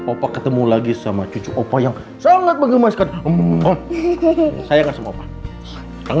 opa ketemu lagi sama cucu opa yang sangat mengemaskan umpah sayang